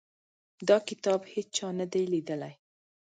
دا کتاب هیچا نه دی لیدلی.